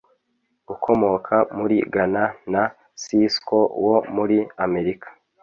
ukomoka muri Ghana na Sisqo wo muri Amerika